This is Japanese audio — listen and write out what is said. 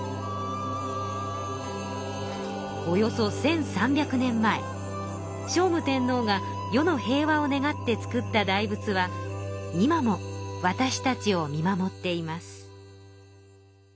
およそ１，３００年前聖武天皇が世の平和を願って造った大仏は今もわたしたちを見守っています。